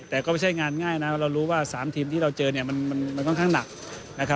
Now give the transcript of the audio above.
แต่ก็ไม่ใช่งานง่ายนะว่าเรารู้ว่า๓ทีมที่เราเจอมันค่อนข้างหนัก